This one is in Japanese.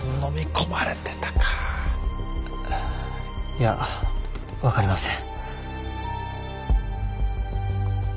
いや分かりません。